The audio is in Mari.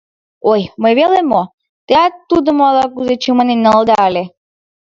Ой, мый веле мо, теат тудым ала-кузе чаманен налыда ыле...